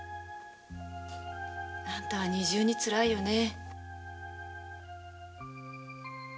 あんたは二重に辛いよね。